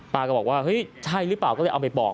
ก็บอกว่าเฮ้ยใช่หรือเปล่าก็เลยเอาไปบอก